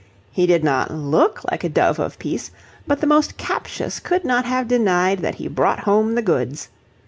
He did not look like a dove of peace, but the most captious could not have denied that he brought home the goods.